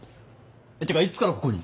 ていうかいつからここに？